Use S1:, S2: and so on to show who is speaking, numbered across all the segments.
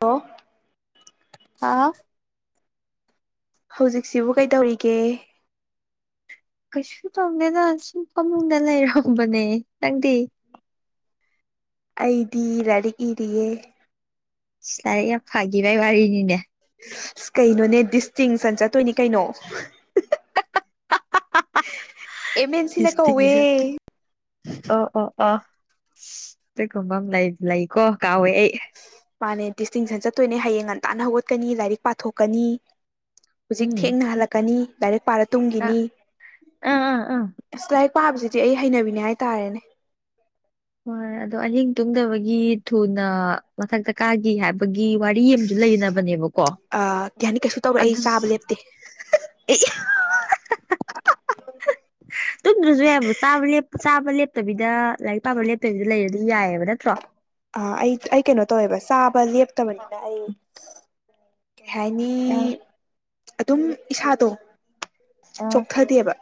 S1: ꯑꯣ
S2: ꯍꯥꯥ
S1: ꯍꯧꯖꯤꯛꯁꯤꯕꯨ ꯀꯩꯗꯧꯔꯤꯒꯦ
S2: ꯀꯩꯁꯨ ꯇꯧꯗꯦꯅ ꯁꯨꯝ ꯐꯃꯨꯡꯗ ꯂꯩꯔꯝꯕꯅꯦ ꯅꯪꯗꯤ
S1: ꯑꯩꯗꯤ ꯂꯥꯏꯔꯤꯛ ꯏꯔꯤꯌꯦ
S2: ꯁꯤꯂꯔ ꯌꯥꯝ ꯐꯥꯒꯤ ꯏ ꯋꯥꯔꯤꯅꯤꯅꯦ
S1: ꯑ ꯀꯩꯅꯣꯅꯦ ꯗꯤꯁꯇꯤꯡꯁꯟ ꯆꯠꯇꯣꯏꯅꯤ ꯀꯩꯅꯣ ꯑꯦꯃꯟꯁꯤꯅ ꯀꯧꯋꯦ
S2: ꯗꯤꯁꯇꯤꯡꯁꯟ ꯑꯣ ꯑꯣ ꯑꯣ ꯀꯩꯒꯨꯝꯕ ꯑꯃ ꯂꯩ ꯂꯩꯀꯣ ꯀꯥꯎꯋꯦ ꯑꯩ
S1: ꯃꯥꯅꯦ ꯗꯤꯁꯇꯤꯡꯁꯟ ꯆꯠꯇꯣꯏꯅꯦ ꯍꯌꯦꯡ ꯉꯟꯇꯥꯅ ꯍꯧꯒꯠꯀꯅꯤ ꯂꯥꯏꯔꯤꯛ ꯄꯥꯊꯣꯛꯀꯅꯤ ꯍꯧꯖꯤꯛ
S2: ꯎꯝ
S1: ꯊꯦꯡꯅ ꯍꯜꯂꯛꯀꯅꯤ ꯂꯥꯏꯔꯤꯛ ꯄꯥꯔ
S2: ꯑꯥ
S1: ꯇꯨꯝꯈꯤꯅꯤ
S2: ꯑꯥ ꯑꯥ ꯑꯥ
S1: ꯂꯥꯏꯛ ꯄꯥꯕꯁꯤꯗꯤ ꯑꯩ ꯍꯩꯅꯕꯤꯅꯦ ꯍꯥꯏꯇꯥꯔꯦꯅꯦ
S2: ꯍꯣꯏ ꯑꯗꯣ ꯑꯍꯤꯡ ꯇꯨꯡꯗꯕꯒꯤ ꯊꯨꯅ ꯃꯊꯛꯇ ꯀꯥꯒꯤ ꯍꯥꯏꯕꯒꯤ ꯋꯥꯔꯤ ꯑꯃꯁꯨ ꯂꯩꯅꯕꯅꯦꯕꯀꯣ
S1: ꯑ ꯀꯩꯍꯥꯏꯅꯤ ꯀꯩꯁꯨ ꯇꯧꯔꯛꯑꯦ ꯑꯩ
S2: ꯑꯗꯨ
S1: ꯆꯥꯕ ꯂꯦꯞꯇꯦ
S2: ꯑꯦ ꯇꯨꯝꯗ꯭ꯔꯁꯨ ꯌꯥꯕꯨ ꯆꯥꯕ ꯂꯦꯞꯇꯕꯤꯗ ꯂꯥꯏꯛ ꯑꯕ ꯂꯦꯞꯄꯒꯗꯤ ꯂꯩꯔꯗꯤ ꯌꯥꯏꯑꯕ ꯅꯠꯇ꯭ꯔꯣ
S1: ꯑ ꯑꯩ ꯑꯩ ꯀꯩꯅꯣ ꯇꯧꯋꯦꯕ ꯆꯥꯕ ꯂꯦꯞꯇꯕꯅꯤꯅ ꯑꯩ ꯀꯩ ꯍꯥꯏꯅꯤ
S2: ꯑ
S1: ꯑꯗꯨꯝ ꯏꯁꯥꯗꯣ ꯆꯣꯛꯊꯗꯦꯕ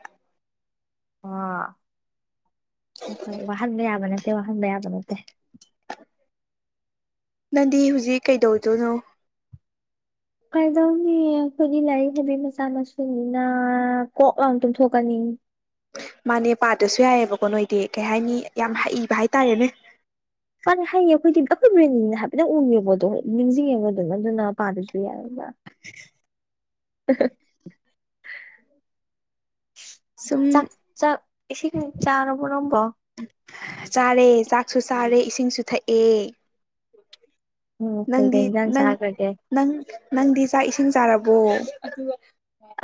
S2: ꯑꯣ ꯍꯣꯏ ꯋꯥꯍꯟꯕ ꯌꯥꯕ ꯅꯠꯇꯦ ꯋꯥꯍꯟꯕ ꯌꯥꯕ ꯅꯠꯇꯦ
S1: ꯅꯪꯗꯤ ꯍꯧꯖꯤꯛ ꯀꯩꯗꯧꯗꯣꯏꯅꯣ
S2: ꯀꯩꯗꯧꯅꯤ ꯑꯩꯈꯣꯏꯒꯤ ꯂꯥꯏꯔꯤꯛ ꯍꯕꯤ ꯃꯆꯥ ꯃꯁꯨꯅꯤꯅ ꯀꯣꯛ ꯂꯥꯡ ꯇꯨꯝꯊꯣꯛꯀꯅꯤ
S1: ꯃꯥꯅꯦ ꯄꯥꯗꯁꯨ ꯌꯥꯏꯑꯕꯀꯣ ꯅꯣꯏꯗꯤ ꯀꯩ ꯍꯥꯏꯅꯤ ꯌꯥꯝ ꯍꯩꯕ ꯍꯥꯏꯇꯥꯔꯦꯅꯦ
S2: ꯄꯅꯤ ꯍꯥꯏꯌꯦ ꯑꯩꯈꯣꯏꯗꯤ ꯑꯩꯈꯣꯏ ꯕ꯭ꯔꯦꯅꯤꯅ ꯍꯥꯏꯐꯦꯠ ꯎꯡꯉꯦꯕ ꯑꯗꯨꯣ ꯅꯤꯡꯁꯤꯡꯉꯦꯕ ꯑꯗꯨꯝ ꯑꯗꯨꯅ ꯄꯥꯗꯨꯁꯨ [inaudible]
S1: ꯁꯨꯝ
S2: ꯏꯁꯤꯡ ꯆꯥꯔꯕ ꯅꯪꯝꯕꯣ
S1: ꯆꯥꯔꯦ ꯆꯥꯛꯁꯨ ꯆꯥꯔꯦ ꯏꯁꯤꯡꯁꯨ ꯊꯛꯑꯦ
S2: ꯎ ꯃꯦꯒ
S1: ꯅꯪꯗꯤ ꯅꯪ
S2: ꯏꯟꯖꯟꯁ ꯍꯥꯏꯑꯒꯦ
S1: ꯅꯪ ꯅꯪꯗꯤ ꯆꯥꯛ ꯏꯁꯤꯡ ꯆꯥꯔꯕꯣ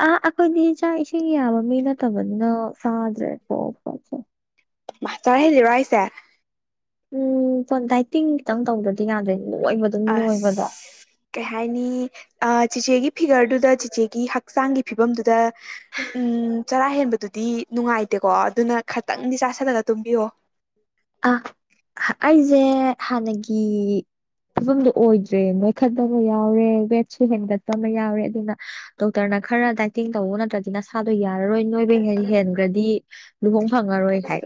S2: ꯑꯥ ꯑꯩꯈꯣꯏꯗꯤ ꯆꯥꯛ ꯏꯁꯤꯡ ꯌꯥꯕ ꯃꯤ ꯅꯠꯇꯕꯅꯤꯅ ꯐꯥꯗ꯭ꯔꯦꯀꯣ ꯄꯣꯠꯁꯦ
S1: ꯃꯇꯔ ꯍꯦꯖꯤꯦꯔꯥꯏꯁꯦ
S2: ꯎꯝ ꯗꯥꯏꯇꯤꯡ ꯈꯤꯇꯪ ꯇꯧꯗ꯭ꯔꯗꯤ ꯌꯥꯗ꯭ꯔꯦ ꯂꯣꯏꯕ
S1: ꯑꯁ ꯀꯩ ꯍꯥꯏꯅꯤ ꯆꯦꯆꯦꯒꯤ ꯐꯤꯒꯔꯗꯨꯗ ꯆꯦꯆꯦꯒꯤ ꯍꯛꯆꯥꯡꯒꯤ ꯐꯤꯕꯝꯗꯨꯗ ꯎꯝ ꯆꯔꯥ ꯍꯦꯟꯕꯗꯨꯗꯤ ꯅꯨꯡꯉꯥꯏꯇꯦꯀꯣ ꯑꯗꯨꯅ ꯈꯇꯪꯗꯤ ꯆꯥꯥꯁꯜꯂꯒ ꯇꯨꯝꯕꯤꯌꯣ
S2: ꯑ ꯑꯩꯁꯦ ꯍꯥꯟꯅꯒꯤ ꯐꯤꯕꯝꯗꯨ ꯑꯣꯏꯗ꯭ꯔꯦ ꯅꯣꯏꯈꯠꯇꯕ ꯌꯥꯎꯔꯦ ꯋꯦꯠꯁꯨ ꯍꯦꯟꯒꯠꯄ ꯑꯃ ꯌꯥꯎꯔꯦ ꯑꯗꯨꯅ ꯗꯣꯛꯇꯔꯅ ꯈꯔ ꯗꯥꯏꯇꯤꯡ ꯇꯧꯕ ꯅꯠꯇ꯭ꯔ ꯅꯁꯥꯗꯣ ꯌꯥꯔꯔꯣꯏ ꯅꯣꯏꯕ ꯍ ꯍꯦꯟꯈ꯭ꯔꯗꯤ ꯂꯨꯍꯣꯡ ꯐꯪꯉꯔꯣꯏ ꯍꯥꯏ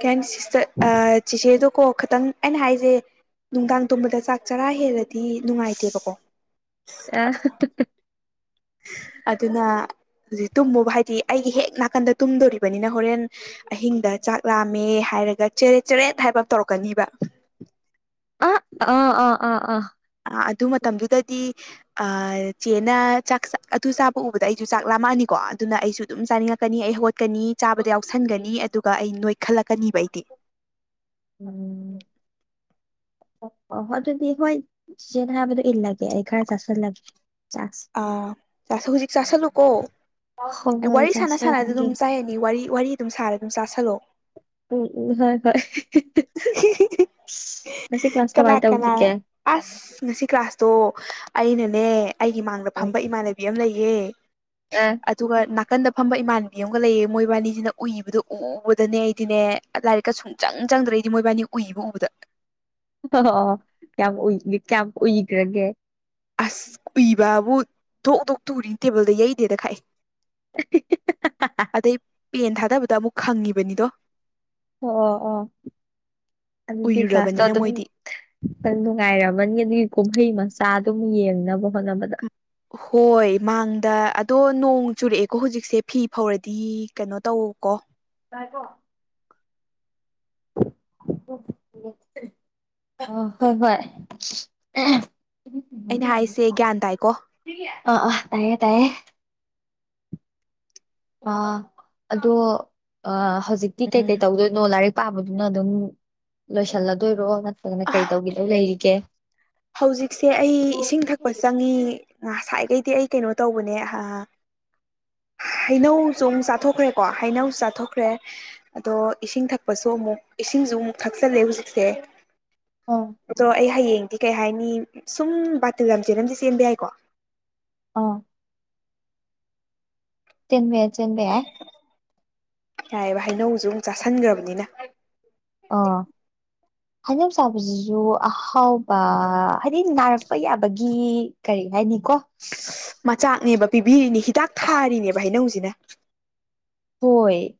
S1: ꯀꯦꯟ ꯁꯤꯁꯇ ꯑ ꯆꯁꯗꯨ ꯀꯣ ꯈꯤꯇꯪ ꯑꯩꯅ ꯍꯥꯏꯁꯦ ꯅꯨꯡꯗꯥꯡ ꯇꯣꯕꯗ ꯆꯥꯛ ꯆꯔꯥ ꯍꯦꯜꯂꯗꯤ ꯅꯨꯡꯉꯥꯏꯇꯦꯕꯀꯣ
S2: ꯑꯦ
S1: ꯑꯗꯨꯅ ꯍꯧꯖꯤꯛ ꯇꯨꯝꯃꯨꯕ ꯍꯥꯏꯗꯤ ꯑꯩꯒꯤ ꯍꯦꯛ ꯅꯥꯀꯟꯗ ꯇꯨꯝꯗꯣꯔꯤꯕꯅꯤꯅ ꯍꯣꯔꯦꯟ ꯑꯍꯤꯡꯗ ꯆꯥꯛ ꯂꯥꯝꯃꯦ ꯍꯥꯏꯔꯒ ꯆꯔꯦꯠ ꯆꯔꯦꯠ ꯍꯥꯏꯕ ꯑꯃ ꯇꯧꯔꯛꯀꯅꯤꯕ
S2: ꯑ ꯑ ꯑꯥ ꯑꯥ ꯑꯥ
S1: ꯑ ꯑꯗꯨ ꯃꯇꯝꯗꯨꯗꯗꯤ ꯆꯦꯅ ꯆꯥꯛ ꯑꯗꯨ ꯆꯥꯕ ꯎꯕꯗ ꯑꯩꯁꯨ ꯆꯥꯛ ꯂꯥꯝꯃꯛꯑꯅꯤꯀꯣ ꯑꯗꯨꯅ ꯑꯩꯁꯨ ꯑꯗꯨꯝ ꯆꯥꯅꯤꯡꯉꯛꯀꯅꯤ ꯑꯩ ꯍ ꯆꯠꯀꯅꯤ ꯆꯥꯕꯗ ꯌꯥꯎꯁꯟꯒꯅꯤ ꯑꯗꯨꯒ ꯑꯩ ꯅꯣꯏꯈꯠꯂꯛꯀꯅꯤꯕ ꯑꯩꯗꯤ
S2: ꯎꯝ ꯑꯣ ꯑꯣ ꯑꯗꯨꯗꯤ ꯍꯣꯏ ꯁꯦꯟꯅ ꯍꯥꯏꯕꯗꯣ ꯏꯜꯂꯒꯦ ꯑꯩ ꯈꯔ ꯆꯥꯁꯤꯜꯂꯒꯦ ꯆꯥꯛꯁꯦ
S1: ꯑꯥ ꯍꯧꯖꯤꯛ ꯆꯥꯁꯤꯜꯂꯨꯀꯣ
S2: ꯍꯣꯏ ꯍꯣꯏ
S1: ꯋꯥꯔꯤ ꯁꯥꯟꯅ ꯁꯥꯟꯅ
S2: ꯆꯥꯁꯟꯒꯦ
S1: ꯑꯗꯨꯝ ꯆꯥꯏꯅꯤ ꯋꯥꯔꯤ ꯋꯥꯔꯤ ꯑꯗꯨꯝ ꯁꯥꯔ ꯑꯗꯨꯝ ꯆꯥꯥꯁꯜꯂꯛꯑꯣ
S2: ꯎꯝ ꯎ ꯍꯣꯏ ꯍꯣꯏ ꯉꯁꯤ ꯀ꯭ꯂꯥꯁ
S1: ꯀꯅꯥ
S2: ꯀꯃꯥꯏꯅ
S1: ꯀꯅꯥ
S2: ꯇꯧꯈꯤꯒꯦ
S1: ꯑꯁ ꯉꯁꯤ ꯀ꯭ꯂꯥꯁꯇꯣ ꯑꯩꯅꯅꯦ ꯑꯩꯒꯤ ꯃꯥꯡꯗ
S2: ꯎꯝ
S1: ꯐꯝꯕ ꯏꯃꯥꯟꯅꯕꯤ ꯑꯃ ꯂꯩꯌꯦ ꯑ
S2: ꯑ
S1: ꯑꯗꯨꯒ ꯅꯥꯀꯟꯗ ꯐꯝꯕ ꯏꯃꯥꯟꯅꯕꯤ ꯑꯃꯒ ꯂꯩꯌꯦ ꯃꯣꯏꯕꯥꯅꯤꯁꯤꯅ ꯎꯏꯕꯗꯨꯣ ꯎꯕꯗꯅꯦ ꯑꯩꯗꯤꯅꯦ ꯂꯥꯏꯔꯤꯛꯀ ꯁꯨꯡꯆꯪ ꯆꯪꯗ꯭ꯔꯏꯗꯤ ꯃꯣꯏꯕꯥꯏꯅꯤ ꯎꯏꯕ ꯎꯕꯗ
S2: ꯑꯣ ꯀꯌꯥꯝꯏ ꯀꯌꯥꯝ ꯎꯏꯈ꯭ꯔꯒꯦ
S1: ꯑꯁ ꯎꯏꯕꯕꯨ ꯗꯣꯛ ꯇꯣꯛ ꯇꯨꯔꯤꯅꯤ ꯇꯦꯕꯜꯗ ꯌꯩꯗꯦꯗ ꯈꯛꯑꯦ ꯑꯗꯩ ꯄꯦꯟ ꯊꯥꯗꯕꯗ ꯑꯃꯨꯛ ꯈꯪꯉꯤꯕꯅꯤꯗꯣ
S2: ꯑꯣ ꯑꯣ ꯑꯣ ꯑꯗꯨꯗꯤ ꯀ꯭ꯂꯥꯁꯇꯣ
S1: ꯎꯏꯔꯨꯔꯕꯅꯤꯅ
S2: ꯑꯗꯨꯝ
S1: ꯃꯣꯏꯗꯤ
S2: ꯅꯨꯡꯉꯥꯏꯔꯝꯃꯅꯤ ꯑꯗꯨꯒꯤ ꯀꯨꯝꯍꯩ ꯃꯆꯥ ꯑꯗꯨꯝ ꯌꯦꯡꯅꯕ ꯍꯣꯠꯅꯕꯗ
S1: ꯍꯣꯏ ꯃꯥꯡꯗ ꯑꯗꯣ ꯅꯣꯡ ꯆꯨꯔꯛꯑꯦꯀꯣ ꯍꯧꯖꯤꯛꯁꯦ ꯐꯤ ꯐꯧꯔꯗꯤ ꯀꯩꯅꯣ ꯇꯧꯀꯣ
S2: ꯥꯏꯀꯣ ꯑ ꯍꯣꯏ ꯍꯣꯏ
S1: ꯑꯩꯅ ꯍꯥꯏꯁꯦ ꯒ꯭ꯌꯥꯟ ꯇꯥꯏꯀꯣ
S2: ꯑ ꯑ ꯇꯥꯏꯌꯦ ꯇꯌꯦ ꯑ ꯑꯗꯣ ꯍꯧꯖꯤꯛꯇꯤ ꯀꯩ
S1: ꯎꯝ
S2: ꯀꯩ ꯇꯧꯗꯣꯏ ꯂꯣ ꯂꯥꯏꯔꯤꯛ ꯄꯥꯕꯗꯨꯅ ꯑꯗꯨꯝ ꯂꯣꯏꯁꯜꯂꯗꯣꯏꯔꯣ ꯅꯠꯇ꯭ꯔꯒꯅ
S1: ꯑ
S2: ꯀꯩ ꯇꯧꯒꯗꯧ ꯂꯩꯔꯤꯒꯦ
S1: ꯍꯧꯖꯤꯛꯁꯦ ꯑꯩ ꯏꯁꯤꯡ ꯊꯛꯄ ꯆꯪꯉꯤ ꯉꯁꯥꯏꯈꯩꯗꯤ ꯑꯩ ꯀꯩꯅꯣ ꯇꯧꯕꯅꯦ ꯑ ꯍꯩꯅꯧꯁꯨ ꯑꯃꯨꯛ ꯆꯥꯊꯣꯛꯈ꯭ꯔꯦꯀꯣ ꯍꯩꯅꯧꯁꯨ ꯆꯥꯊꯣꯛꯈ꯭ꯔꯦ ꯑꯗꯣ ꯏꯁꯤꯡ ꯊꯛꯄꯁꯨ ꯑꯃꯨꯛ ꯏꯁꯤꯡꯁꯨ ꯑꯃꯨꯛ ꯊꯛꯆꯜꯂꯦ ꯍꯧꯖꯤꯛꯁꯦ
S2: ꯑ
S1: ꯑꯗꯣ ꯑꯩ ꯍꯌꯦꯡꯗꯤ ꯀꯩ ꯍꯥꯏꯅꯤ ꯁꯨꯝ ꯕꯥꯇꯜ ꯂꯝꯖꯦꯜ ꯑꯃꯗꯤꯗꯤ ꯆꯦꯟꯕ ꯌꯥꯏꯀꯣ
S2: ꯑꯥ ꯆꯤꯟꯃꯤ ꯆꯟꯕ ꯌꯥ
S1: ꯌꯥꯏꯑꯦꯕ ꯍꯩꯅꯧꯁꯨ ꯑꯃꯨꯛ ꯆꯥꯁꯟꯈ꯭ꯔꯕꯅꯤꯅ
S2: ꯑꯣ ꯍꯥꯏꯩꯅꯧ ꯆꯥꯕꯁꯤꯁꯨ ꯑꯍꯥꯎꯕ ꯍꯥꯏꯗꯤ ꯅꯥꯔꯛꯄ ꯌꯥꯕꯒꯤ ꯀꯔꯤ ꯍꯥꯏꯅꯤꯀꯣ
S1: ꯃꯆꯥꯛꯅꯦꯕ ꯄꯤꯕꯤꯔꯤꯅꯤ ꯍꯤꯗꯥꯛ ꯊꯥꯔꯤꯅꯦꯕ ꯍꯥꯏꯩꯅꯧꯁꯤꯅ
S2: ꯍꯣꯏ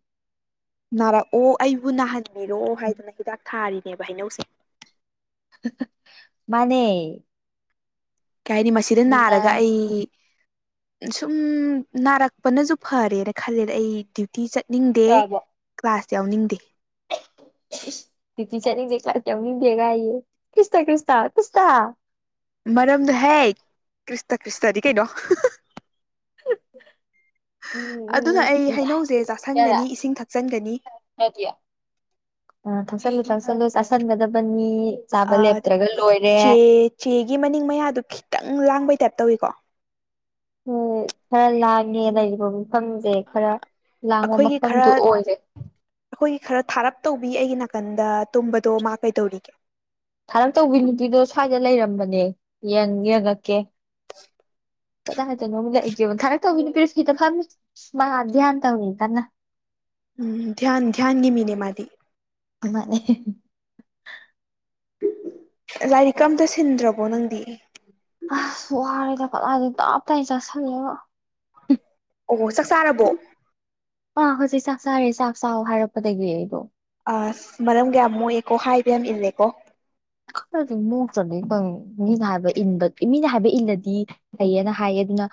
S1: ꯅꯥꯔꯛꯑꯣ ꯑꯩꯕꯨ ꯅꯥꯍꯟꯕꯤꯔꯣ ꯍꯥꯏꯗꯅ ꯍꯤꯗꯥꯛ ꯊꯥꯔꯤꯅꯦꯕ ꯍꯩꯅꯧꯁꯦ
S2: ꯃꯅꯦ
S1: ꯀꯩ ꯍꯥꯏꯅꯤ ꯃꯁꯤꯗ ꯅꯥꯔꯒ ꯑꯩ ꯁꯨꯝ ꯅꯥꯔꯛꯄꯅꯁꯨ ꯐꯔꯦꯅ ꯈꯜꯂꯦꯗ ꯑꯩ ꯁꯨꯇꯤ ꯆꯠꯅꯤꯡꯗꯦ
S2: ꯇꯧꯔꯕꯣ
S1: ꯀ꯭ꯂꯥꯁ ꯌꯥꯎꯅꯤꯡꯗꯦ
S2: ꯇꯤꯆꯔꯅꯤ ꯌꯦꯦ ꯀ꯭ꯂ ꯇꯎꯅꯤ ꯊꯦꯒꯌꯦ ꯀ꯭ꯔꯤꯁꯇ ꯀ꯭ꯔꯤꯁꯇ ꯀꯁꯇ
S1: ꯃꯔꯝꯗꯣ ꯍꯦꯛ ꯈ꯭ꯔꯤꯁꯇ ꯈ꯭ꯔꯤꯁꯇꯗꯤ ꯀꯩꯅꯣ ꯑꯗꯨꯅ ꯑꯩ ꯍꯩꯅꯧꯁꯦ
S2: ꯌꯥꯔꯦ
S1: ꯆꯥꯥꯁꯟꯒꯅꯤ ꯏꯁꯤꯡ ꯊꯛꯆꯟꯒꯅꯤ
S2: ꯑ ꯊꯛꯆꯜꯂꯨ ꯊꯧꯁꯜꯂꯨ ꯆꯥꯁꯤꯟꯒꯗꯕꯅꯤ ꯆꯥꯕ ꯂꯦꯞꯇ꯭ꯔꯒ ꯂꯣꯏꯔꯦ
S1: ꯆꯦ ꯆꯦꯒꯤ ꯃꯅꯤꯡ ꯃꯌꯥꯗꯨ ꯈꯤꯇꯪ ꯂꯥꯡꯕꯩ ꯇꯥꯏꯞ ꯇꯧꯏꯤꯀꯣ
S2: ꯎ ꯈꯔ ꯂꯥꯡꯉꯦꯅ ꯑꯩꯕ ꯑꯃꯨꯛꯇꯪ ꯁꯦ ꯈꯔ ꯂꯥꯡꯕ
S1: ꯑꯩꯈꯣꯏꯒꯤ
S2: ꯃꯐꯝꯗꯨ
S1: ꯈꯔ
S2: ꯑꯣꯏꯔꯦ
S1: ꯑꯩꯈꯣꯏꯒꯤ ꯈꯔ ꯊꯥꯔꯞ ꯇꯧꯕꯤ ꯑꯩꯒꯤ ꯅꯥꯀꯟꯗ ꯇꯨꯝꯕꯗꯣ ꯃꯥ ꯀꯩꯗꯧꯔꯤꯒꯦ
S2: ꯊꯥꯔ ꯇꯧꯕꯤ ꯅꯨꯄꯤꯗꯣ ꯁ꯭ꯋꯥꯏꯗ ꯂꯩꯔꯝꯕꯅꯦ ꯌꯦ ꯌꯦꯡꯉꯛꯀꯦ ꯀꯗꯥ ꯍꯥꯏꯗꯅꯣ ꯑꯃꯗ ꯑꯩꯒꯦꯕ ꯊꯥꯔꯛ ꯇꯧꯤꯅꯦ ꯄꯤꯔꯤꯁ ꯈꯤꯇ ꯐꯝꯃꯤ ꯃꯥ ꯙ꯭ꯌꯥꯟ ꯇꯧꯋ ꯀꯟꯅ
S1: ꯎꯝ ꯙ꯭ꯟ ꯙ꯭ꯟꯒꯤ ꯃꯤꯅꯦ ꯃꯥꯗꯤ
S2: ꯃꯥꯅꯦ
S1: ꯂꯥꯏꯔꯤꯛ ꯑꯃꯝꯇ ꯁꯤꯟꯗ꯭ꯔꯕꯣ ꯅꯪꯗꯤ
S2: ꯑꯁ ꯋꯥꯔꯦꯗ ꯀꯂꯗꯦ ꯇꯥꯞꯇ ꯑꯩ ꯆꯥꯁꯜꯂꯦꯕ
S1: ꯑꯣ ꯆꯥꯛ ꯆꯥꯔꯕꯣ
S2: ꯑꯥ ꯍꯧꯖꯤꯛ ꯆꯥꯛ ꯆꯥꯔꯦ ꯆꯥꯛ ꯆꯥꯛ ꯍꯥꯏꯔꯛꯄꯗꯒꯤ ꯑꯩꯗꯣ
S1: ꯑ ꯃꯔꯝ ꯀꯌꯥꯝ ꯃꯣꯛꯑꯦꯀꯣ ꯍꯥꯏꯕ ꯌꯥꯝ ꯏꯜꯂꯦꯀꯣ
S2: ꯅꯣꯛꯇ꯭ꯔꯕꯗꯤꯪ ꯃꯤꯅ ꯍꯥꯏꯕ ꯏꯟꯕ ꯃꯤꯅ ꯍꯥꯏꯕ ꯏꯜꯂꯗꯤ ꯂꯩꯌꯦꯅ ꯍꯥꯏꯌꯦ ꯑꯗꯨꯅ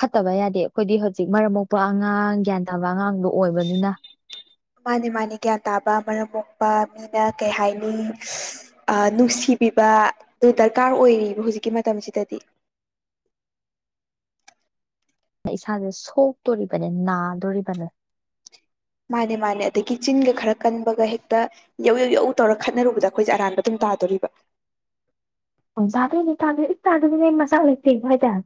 S2: ꯐꯠꯇꯕ ꯌꯥꯗꯦ ꯑꯩꯈꯣꯏꯗꯤ ꯍꯧꯖꯤꯛ ꯃꯔꯛ ꯃꯄ ꯑꯉꯥꯡ ꯒ꯭ꯌꯥꯟ ꯇꯥꯕ ꯑꯉꯥꯡꯗꯣ ꯑꯣꯏꯕꯅꯤꯅ
S1: ꯃꯥꯅꯦ ꯃꯥꯅꯦ ꯒ꯭ꯌꯥꯟ ꯇꯥꯕ ꯃꯔꯝ ꯃꯣꯛꯄ ꯃꯤꯅ ꯀꯩ ꯍꯥꯏꯅꯤ ꯅꯨꯡꯁꯤꯕꯤꯕ ꯑꯗꯨ ꯗꯔꯀꯥꯔ ꯑꯣꯏꯔꯤꯕ ꯍꯧꯖꯤꯛꯀꯤ ꯃꯇꯝꯁꯤꯗꯗꯤ
S2: ꯏꯁꯥꯁꯦ ꯁꯣꯛꯇꯣꯔꯤꯕꯅꯦ ꯅꯥꯗꯣꯔꯤꯕꯅꯦ
S1: ꯃꯥꯅꯦ ꯃꯥꯅꯦ ꯑꯗꯒꯤ ꯆꯤꯟꯒ ꯈꯔ ꯀꯟꯕꯒ ꯍꯦꯛꯇ ꯌꯧ ꯌꯧ ꯌꯛꯎ ꯇꯧꯔ ꯈꯠꯅꯔꯨꯕꯗ ꯑꯩꯈꯣꯏꯁꯦ ꯑꯔꯥꯟꯕ ꯑꯗꯨꯝ ꯇꯥꯗꯣꯔꯤꯕ
S2: ꯑꯣ ꯆꯥꯗꯣꯏꯦꯅꯦ ꯇꯥꯗ ꯏ ꯇꯥꯗꯗꯤ ꯅ ꯃꯆꯥꯥꯛ ꯂꯩꯇꯦꯕ ꯍꯥꯏꯇꯥꯔꯦ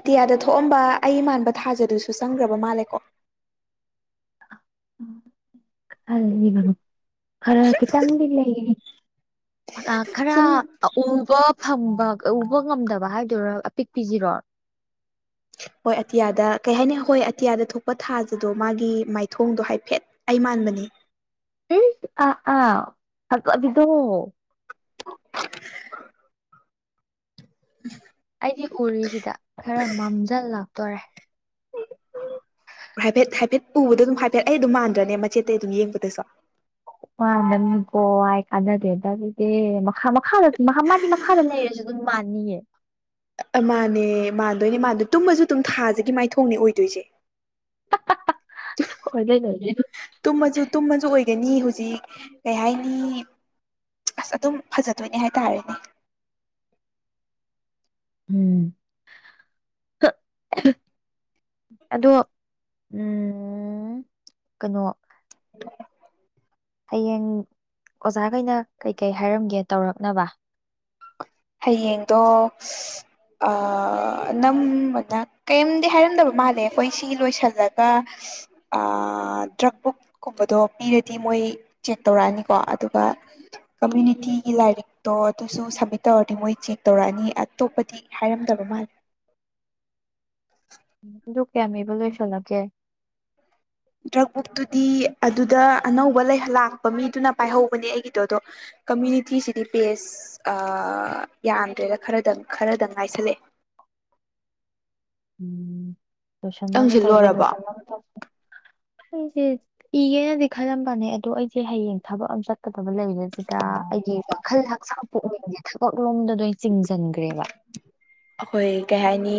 S1: ꯑꯇꯤꯌꯥꯗ ꯊꯣꯛꯑꯝꯕ ꯑꯩ ꯃꯥꯟꯕ ꯊꯥꯖꯗꯨꯁꯨ ꯆꯪꯈ꯭ꯔꯕ ꯃꯥꯜꯂꯦꯀꯣ
S2: ꯑ ꯏꯒ ꯈꯔ ꯈꯤꯇꯪꯗꯤ ꯂꯩꯅꯤ ꯈꯔ
S1: ꯁꯨꯝ
S2: ꯎꯕ ꯐꯝꯕ ꯎꯕ ꯉꯝꯗꯕ ꯍꯥꯏꯕꯗꯨꯔꯥ ꯑꯄꯤꯛ ꯄꯤꯁꯤꯔꯣ
S1: ꯍꯣꯏ ꯑꯇꯤꯌꯥꯗ ꯀꯩ ꯍꯥꯏꯅꯤ ꯍꯣꯏ ꯑꯇꯤꯌꯥꯗ ꯊꯣꯛꯄ ꯊꯥꯁꯤꯗꯣ ꯃꯥꯒꯤ ꯃꯥꯏꯊꯣꯡꯗꯣ ꯍꯥꯏꯐꯦꯠ ꯑꯩ ꯃꯥꯟꯕꯅꯤ
S2: ꯑ ꯑꯥ ꯑꯗꯨꯗꯣ
S1: [inaudible] [inaudible]
S2: ꯑꯩꯗꯤ ꯎꯔꯤꯁꯤꯗ ꯈꯔ ꯃꯝꯖꯜ ꯂꯥꯛꯇꯣꯔꯦ
S1: ꯍꯥꯏꯐꯦꯠ ꯍꯥꯏꯐꯦꯠ ꯎꯕꯗ ꯑꯗꯨꯝ ꯍꯥꯏꯐꯦꯠ ꯑꯩ ꯑꯗꯨꯝ ꯃꯥꯟꯗ꯭ꯔꯅꯦ ꯃꯆꯦꯠꯇꯩ ꯑꯗꯨꯝ ꯌꯦꯡꯕꯗꯁꯨ
S2: ꯋꯥ ꯅꯪꯀꯣ ꯀꯥꯟꯅꯗꯦꯗꯗ ꯃꯈ ꯃꯈꯥꯗ ꯐꯥꯟ ꯂꯩꯔꯁꯨ ꯑꯗꯨꯝ ꯃꯅꯤꯌꯦ
S1: ꯃꯥꯥꯟꯅꯦ ꯃꯥꯟꯗꯣꯏꯅꯦ ꯃꯥꯟꯗꯣꯏ ꯇꯨꯝꯃꯁꯨ ꯑꯗꯨꯝ ꯊꯥꯖꯒꯤ ꯃꯥꯏꯊꯣꯡꯅꯦ ꯑꯣꯏꯗꯣꯏꯁꯦ ꯎ
S2: ꯈꯣꯏ ꯂꯩ ꯅ
S1: ꯇꯨꯝꯃꯁꯨ ꯇꯨꯝꯃꯁꯨ ꯑꯣꯏꯒꯅꯤ ꯍꯧꯖꯤꯛ ꯀꯩ ꯍꯥꯏꯅꯤ ꯑꯁ ꯑꯗꯨꯝ ꯐꯖꯗꯣꯏꯅꯦ ꯍꯥꯏꯇꯥꯔꯦꯅꯦ
S2: ꯎꯝ ꯑꯗꯣ ꯎꯝ ꯀꯩꯅꯣ ꯍꯌꯦꯡ ꯑꯣꯖꯥꯈꯩꯅ ꯀꯩꯀꯩ ꯍꯥꯏꯔꯝꯒꯦ ꯇꯧꯔꯛꯅꯕ
S1: ꯍꯌꯦꯡꯗꯣ ꯅꯝꯕꯅ ꯀꯔꯤꯝꯗꯤ ꯍꯥꯏꯔꯝꯗꯕ ꯃꯥꯜꯂꯦ ꯑꯩꯈꯣꯏ ꯁꯤ ꯂꯣꯏꯁꯤꯜꯂꯒ ꯑ ꯇ꯭ꯔꯛꯄ ꯀꯨꯝꯕꯗꯣ ꯄꯤꯔꯗꯤ ꯃꯣꯏ ꯆꯦꯛ ꯇꯧꯔꯛꯑꯅꯤꯀꯣ ꯑꯗꯨꯒ ꯀꯝꯃ꯭ꯌꯨꯅꯤꯇꯤꯒꯤ ꯂꯥꯏꯔꯤꯛꯇꯣ ꯑꯗꯨꯁꯨ ꯁꯥ ꯇꯧꯔꯗꯤ ꯃꯣꯏ ꯆꯦꯛ ꯇꯧꯔꯛꯑꯅꯤ ꯑꯇꯣꯞꯄꯗꯤ ꯍꯥꯏꯔꯝꯗꯕ ꯃꯥꯜꯂꯦ
S2: ꯇ ꯀꯦ ꯑꯃꯕ ꯂ ꯆꯣꯂꯒꯦ
S1: ꯗ꯭ꯔꯛ ꯕꯨꯛꯇꯨꯗꯤ ꯑꯗꯨꯗ ꯑꯅꯧꯕ ꯂꯥꯛꯄ ꯃꯤꯗꯨꯅ ꯄꯥꯏꯍꯧꯕꯅꯦ ꯑꯩꯒꯤꯗꯣ ꯑꯗꯣ ꯀꯃ꯭ꯌꯨꯅꯤꯇꯤꯁꯤꯗꯤ ꯕꯦꯁ ꯌꯥꯟꯗ꯭ꯔꯦꯗ ꯈꯔꯗꯪ ꯈꯔꯗꯪ ꯉꯥꯏꯁꯜꯂꯛꯑꯦ
S2: ꯎꯝ ꯂꯣꯏꯁꯟꯅꯕ
S1: ꯈꯤꯇꯪꯁꯤ
S2: ꯇꯧꯁꯤ
S1: ꯂꯣꯏꯔꯕꯣ
S2: ꯂꯣꯏꯁꯟꯅꯕ ꯇꯧꯁꯤ ꯑꯩꯁꯦ ꯏꯒꯦꯅꯗꯤ ꯈꯜꯂꯝꯕꯅꯦ ꯑꯗꯣ ꯑꯩꯁꯦ ꯍꯌꯦꯡ ꯊꯕꯛ ꯑꯃ ꯆꯠꯀꯗꯕ ꯂꯩꯔꯤꯕꯁꯤꯗ ꯑꯩꯒꯤ ꯋꯥꯈꯜ ꯍꯆꯥꯡ ꯄꯨꯛꯅꯤꯡꯁꯦ ꯁꯨꯀꯛꯂꯣꯝꯗ ꯆꯤꯡꯁꯤꯟꯈ꯭ꯔꯦꯕ
S1: ꯑꯩꯈꯣꯏ ꯀꯩ ꯍꯥꯏꯅꯤ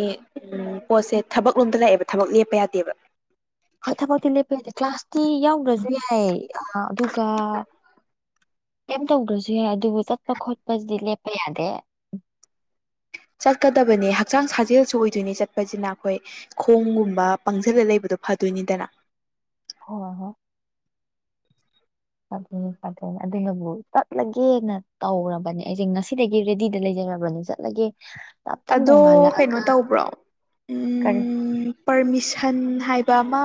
S1: ꯎ ꯄꯣꯠꯁꯦ ꯊꯕꯛ ꯂꯣꯝꯗ ꯂꯥꯛꯑꯦꯕ ꯊꯕꯛ ꯂꯦꯞꯄ ꯌꯥꯗꯦꯕ
S2: ꯀꯊ ꯀ ꯂꯦꯄꯗꯦ ꯀ꯭ꯂꯥꯁ ꯇꯤ ꯌꯥꯎꯗ꯭ꯔꯁꯨ ꯌꯥꯏꯌꯦ ꯑꯥ ꯑꯗꯨꯒ ꯀꯩꯝ ꯇꯧꯈ꯭ꯔꯁꯨ ꯌꯥꯏ ꯑꯗꯨꯕꯨ ꯆꯠꯄ ꯈꯣꯠꯄꯁꯤꯗꯤ ꯂꯦꯞꯄ ꯌꯥꯗꯦ
S1: ꯆꯠꯀꯗꯕꯅꯦ ꯍꯛꯆꯥꯡ ꯁꯥꯖꯦꯜꯁꯨ ꯑꯣꯏꯗꯣꯏꯅꯤ ꯆꯠꯄꯁꯤꯅ ꯑꯩꯈꯣꯏ ꯈꯣꯡꯒꯨꯝꯕ ꯄꯪꯁꯤꯜꯂ ꯂꯩꯕꯗꯣ ꯐꯗꯣꯏꯅꯤꯗꯅ
S2: ꯍꯣꯏ ꯍꯣꯏ ꯐꯠꯇꯦ ꯐꯠꯇꯦꯅꯦ ꯑꯗꯨꯅꯕꯨ ꯆꯠꯂꯒꯦꯅ ꯇꯧꯔꯕꯅꯦ ꯑꯩꯁꯦ ꯉꯁꯤꯗꯒꯤ ꯔꯦꯗꯤꯗ ꯂꯩꯖꯔꯕꯅꯤ ꯆꯠ ꯂꯒꯦ
S1: ꯑꯗꯣ ꯀꯩꯅꯣ ꯇꯧꯕ꯭ꯔꯣ
S2: ꯀꯔꯤ
S1: ꯎꯝ ꯄꯔꯃꯤꯁꯟ ꯍꯥꯏꯕ ꯑꯃ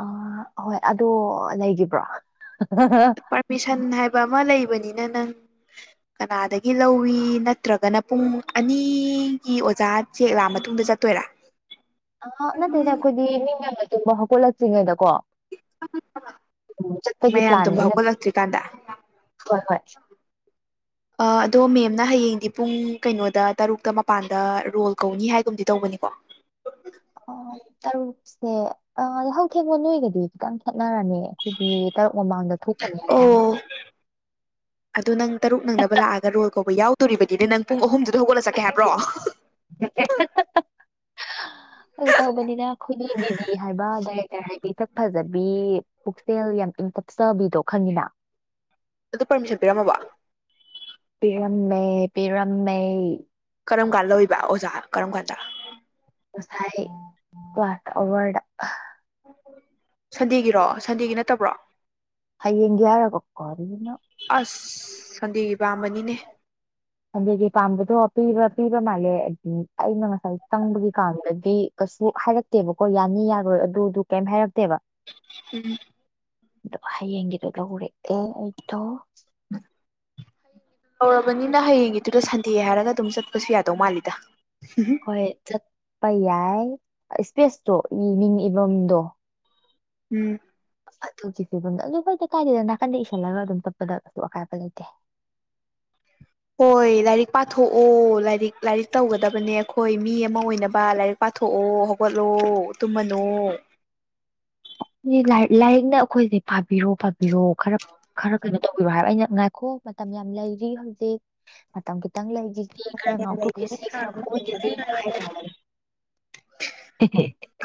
S2: ꯑ ꯍꯣꯏ ꯑꯗꯣ ꯂꯩꯔꯤꯕ꯭ꯔꯣ [unintelligible]
S1: ꯄꯔꯃꯤꯁꯟ ꯍꯥꯏꯕ ꯑꯃ ꯂꯩꯕꯅꯤꯅ ꯅꯪ ꯀꯅꯥꯗꯒꯤ ꯂꯧꯋꯤ ꯅꯠꯇ꯭ꯔꯒꯅ ꯄꯨꯡ ꯑꯅꯤꯒꯤ ꯑꯣꯖꯥ ꯆꯦꯛ ꯂꯥꯛꯑ ꯃꯇꯨꯡꯗ ꯆꯠꯇꯣꯏꯔꯥ
S2: ꯑꯍ ꯅꯠꯇꯦꯗ ꯑꯩꯈꯣꯏꯗꯤ ꯃꯤꯅ [unintelligible] ꯇꯨꯝꯕ ꯍꯧꯒꯠꯂꯛꯇ꯭ꯔꯤꯉꯩꯗꯀꯣ ꯆꯠꯄꯒꯤ
S1: ꯃꯌꯥꯝ ꯇꯨꯝꯕ
S2: ꯄ꯭ꯂꯥꯟꯅꯦꯅ
S1: ꯍꯧꯒꯠꯂꯛꯇ꯭ꯔꯤꯀꯥꯟꯗ
S2: ꯍꯣꯏ ꯍꯣꯏ
S1: ꯑ ꯑꯗꯣ ꯃꯦꯝꯅ ꯍꯌꯦꯡꯗꯤ ꯄꯨꯡ ꯀꯩꯅꯣꯗ ꯇꯔꯨꯛꯇ ꯃꯄꯥꯟꯗ ꯔꯣꯜ ꯀꯧꯅꯤ ꯍꯥꯏꯒꯨꯝꯗꯤ ꯇꯧꯕꯅꯤꯀꯣ
S2: ꯑꯣ
S1: [inaudible]
S2: ꯇꯔꯨꯛꯁꯦ ꯑ ꯌꯥꯍꯧꯊꯦꯡꯕ ꯅꯣꯏꯒꯗꯤ ꯈꯤꯇꯪ ꯈꯦꯠꯅꯔꯅꯤ ꯑꯩꯈꯣꯏꯗꯤ ꯇꯔꯨꯛ ꯃꯃꯥꯡꯗ ꯊꯣꯛꯀꯅꯤ
S1: ꯑꯣ
S2: ꯍꯥꯏꯇꯥꯔꯦ
S1: ꯑꯗꯣ ꯅꯪ ꯇꯔꯨꯛ ꯅꯪꯅꯕ ꯂꯥꯛꯑꯒ ꯔꯣꯜ ꯀꯧꯕ ꯌꯥꯎꯗꯣꯔꯤꯕꯅꯤꯅꯦ ꯅꯪ ꯄꯨꯡ ꯑꯍꯨꯝꯗꯨꯗ ꯍꯧꯒꯠꯂ ꯆꯠꯀꯦ ꯍꯥꯏꯕ꯭ꯔꯣ [unintelligible]
S2: [inaudible] ꯐꯒꯤ ꯇꯧꯕꯅꯤꯅ ꯑꯩꯈꯣꯏꯒꯤ ꯗꯤꯗꯤ ꯍꯥꯏꯕ ꯗꯥꯏꯔꯦꯛꯇꯔ ꯍꯥꯏꯕꯤ ꯏꯊꯛ ꯐꯖꯕꯤ ꯄꯨꯛꯆꯦꯜ ꯌꯥꯝ ꯏꯪ ꯇꯞꯆꯕꯤꯗꯣ ꯈꯪꯉꯤꯅ
S1: ꯑꯗꯣ ꯄꯔꯃꯤꯁꯟ ꯄꯤꯔꯝꯃꯕꯣ
S2: ꯄꯤꯔꯝꯃꯦ ꯄꯤꯔꯝꯃꯦ
S1: ꯀꯔꯝ ꯀꯥꯟ ꯂꯧꯋꯤꯕ ꯑꯣꯖꯥ ꯀꯔꯝ ꯀꯥꯟꯗ
S2: ꯉꯁꯥꯏ ꯀ꯭ꯂꯥꯁ ꯑꯋꯔꯗ
S1: ꯁꯟꯗꯦꯒꯤꯔꯣ ꯁꯟꯗꯦꯒꯤ ꯅꯠꯇꯕ꯭ꯔꯣ
S2: ꯍꯌꯦꯡꯒꯤ ꯍꯥꯏꯔꯒ ꯀꯥꯔꯤꯅꯣ
S1: ꯑꯁ ꯁꯟꯗꯦꯒꯤ ꯄꯥꯝꯕꯅꯤꯅꯦ
S2: ꯑꯗꯒꯤ ꯄꯥꯝꯕꯗꯣ ꯄꯤꯕ ꯄꯤꯕ ꯃꯥꯜꯂꯦ ꯑꯗꯤ ꯑꯩꯅ ꯉꯁꯥꯏ ꯆꯪꯕꯒꯤ ꯀꯥꯟꯗꯗꯤ ꯀꯩꯁꯨ ꯍꯥꯏꯔꯛꯇꯦꯕꯀꯣ ꯌꯥꯅꯤ ꯌꯥꯔꯣꯏ ꯑꯗꯨꯗꯨ ꯀꯩꯝ ꯍꯥꯏꯔꯛꯇꯦꯕ
S1: ꯎꯝ
S2: ꯑꯗꯣ ꯍꯌꯦꯡꯒꯤꯗꯣ ꯂꯧꯔꯦ ꯑꯦ ꯑꯩꯗꯣ
S1: [unintelligible] ꯇꯧꯔꯕꯅꯤꯅ ꯍꯌꯦꯡꯒꯤꯗꯨꯗ ꯁꯟꯗꯦ ꯍꯥꯏꯔꯒ ꯑꯗꯨꯝ ꯆꯠꯄꯁꯨ ꯌꯥꯗꯧ ꯃꯥꯜꯂꯤꯗ
S2: ꯍꯣꯏ ꯆꯠꯄ ꯌꯥꯏ ꯏꯁ꯭ꯄꯦꯁꯇꯣ ꯃꯤ ꯃꯤꯡ ꯏꯐꯝꯗꯣ
S1: ꯎꯝ
S2: ꯑꯗꯨꯒꯤ ꯐꯤꯕꯝꯗ ꯑꯗꯨ ꯍꯣꯏꯗ ꯀꯥꯏꯗ ꯅꯥꯀꯟꯗ ꯏꯁꯜꯂꯒ ꯑꯗꯨꯝ ꯇꯞꯄꯗ ꯀꯩꯁꯨ ꯑꯀꯥꯏꯕ ꯂꯩꯇꯦ
S1: ꯍꯣꯏ ꯂꯥꯏꯔꯤꯛ ꯄꯥꯊꯣꯛꯑꯣ ꯂꯥꯏꯔꯤꯛ ꯂꯥꯏꯔꯤꯛ ꯇꯧꯒꯗꯕꯅꯦ ꯑꯩꯈꯣꯏ ꯃꯤ ꯑꯃ ꯑꯣꯏꯅꯕ ꯂꯥꯏꯔꯤꯛ ꯄꯥꯊꯣꯛꯑꯣ ꯍꯧꯒꯠꯂꯣ ꯇꯨꯝꯃꯟꯅꯣ
S2: [unintelligible] ꯂꯥꯏꯔꯤꯛꯅ ꯑꯩꯈꯣꯏꯁꯦ ꯄꯥꯕꯤꯔꯣ ꯄꯥꯕꯤꯔꯣ ꯈꯔ ꯈꯔ ꯀꯩꯅꯣ ꯇꯧꯕꯤꯔꯣ ꯍꯥꯏꯕ ꯑꯩꯅ ꯉꯥꯏꯈꯣ ꯃꯇꯝ ꯌꯥꯝ ꯂꯩꯔꯤ ꯍꯧꯖꯤꯛ ꯃꯇꯝ ꯈꯤꯇꯪ ꯂꯩꯔꯤ ꯈꯔ ꯉꯥꯎꯊꯣꯛꯈꯤꯁꯤ ꯈꯔ ꯀꯣꯏꯈꯤꯁꯤꯅ ꯍꯥꯏ ꯇꯕꯅꯤ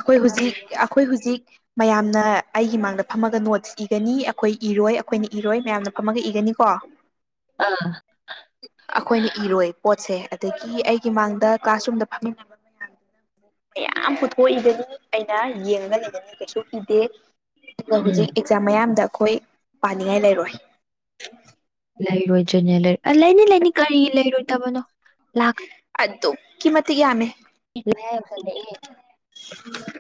S1: ꯑꯩꯈꯣꯏ ꯍꯧꯖꯤꯛ ꯑꯩꯈꯣꯏ ꯍꯧꯖꯤꯛ ꯃꯌꯥꯝꯅ ꯑꯩꯒꯤ ꯃꯥꯡꯗ ꯐꯝꯃꯒ ꯅꯣꯠꯁ ꯏꯒꯅꯤ ꯑꯩꯈꯣꯏ ꯏꯔꯣꯏ ꯑꯩꯈꯣꯏꯅ ꯏꯔꯣꯏ ꯃꯌꯥꯝꯅ ꯐꯝꯃꯒ ꯏꯒꯅꯤ ꯀꯣ [inaudible]
S2: ꯑꯥ
S1: ꯑꯩꯈꯣꯏꯅ ꯏꯔꯣꯏ ꯄꯣꯠꯁꯦ ꯑꯗꯒꯤ ꯑꯩꯒꯤ ꯃꯥꯡꯗ ꯀ꯭ꯂꯥꯁꯔꯨꯝꯗ ꯐꯝꯃꯤꯟꯅꯕ ꯃꯌꯥꯝ ꯃꯌꯥꯝ ꯄꯨꯊꯣꯛꯏꯒꯅꯤ ꯑꯩꯅ ꯌꯦꯡꯉꯒ ꯂꯩꯒꯅꯤ ꯀꯩꯁꯨ ꯏꯤꯗꯦ ꯑꯗꯨꯒ
S2: ꯎꯝ
S1: ꯍꯧꯖꯤꯛ ꯑꯦꯛꯖꯥꯝ ꯃꯌꯥꯝꯗ ꯑꯩꯈꯣꯏ ꯄꯥꯅꯤꯡꯉꯥꯏ ꯂꯩꯔꯣꯏ
S2: ꯂꯩꯔꯣꯏꯖꯅꯦ ꯂꯩꯔ ꯂꯩꯅꯤ ꯂꯩꯅꯤ ꯀꯔꯤ ꯂꯩꯔꯣꯏꯗꯕꯅꯣ
S1: ꯑꯗꯨ ꯑꯗꯨ ꯀꯃꯠꯇꯒꯤꯌꯥꯃꯦ
S2: ꯏꯒ ꯍꯥꯏꯗꯂꯦ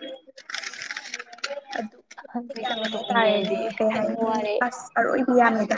S1: [inaudible] ꯑꯗꯨꯀꯤ ꯃꯇꯤꯛ
S2: ꯍꯪꯆꯤꯠ
S1: ꯌꯥꯝꯃꯦ
S2: ꯇꯧꯕ ꯇꯣꯛꯅꯤꯡꯉꯦ
S1: ꯍꯥꯏꯇꯥꯔꯦꯅꯦ
S2: ꯑꯩꯗꯤ
S1: ꯀꯩ ꯍꯥꯏꯅꯤ
S2: ꯋꯥꯔꯦ
S1: ꯑꯁ ꯑꯔꯣꯏꯕ ꯌꯥꯅꯤꯗ